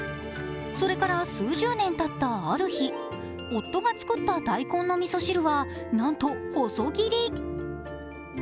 それから数十年たったある日、夫が作った大根の味噌汁はなんと細切り。